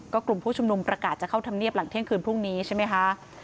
กลุ่มผู้ชุมนุมประกาศจะเข้าธรรมเนียบหลังเที่ยงคืนพรุ่งนี้ใช่ไหมคะ